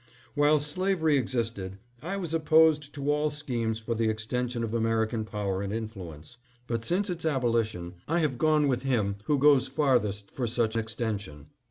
While slavery existed, I was opposed to all schemes for the extension of American power and influence. But since its abolition, I have gone with him who goes farthest for such extension.